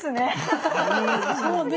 そうね。